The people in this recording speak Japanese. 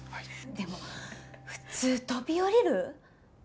でも普通飛び降りる？